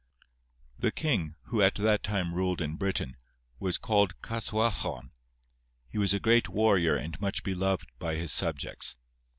The king, who at that time ruled in Britain, was called Caswallon; he was a great warrior and much beloved by his subjects.